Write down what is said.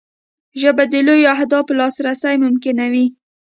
ژبه د لویو اهدافو لاسرسی ممکنوي